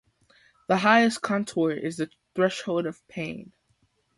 The highest contour is the "threshold of pain".